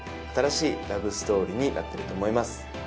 新しいラブストーリーになってると思います